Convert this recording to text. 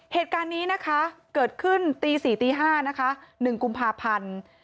เหตุการณ์นี้นะคะเกิดขึ้นตี๔ตี๕นะคะ๑กุมภาพันธ์